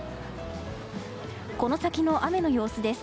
この先の雨の様子です。